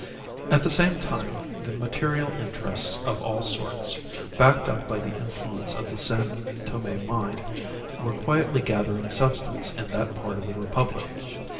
At the same time the material interests of all sorts, backed up by the influence of the San Tome mine, were quietly gathering substance in that part of the Republic.